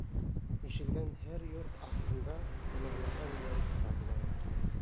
— Ишелгән һәр йорт аҫтында унарлаған мәйет табыла ине.